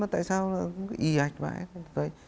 tại sao nó y hạch vậy